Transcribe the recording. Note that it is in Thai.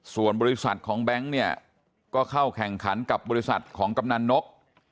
ส่วนบริษัทของแบงค์เนี่ยก็เข้าแข่งขันกับบริษัทของกำนันนก